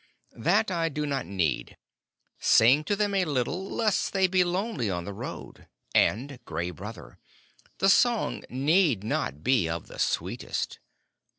"That I do not need. Sing to them a little, lest they be lonely on the road, and, Gray Brother, the song need not be of the sweetest.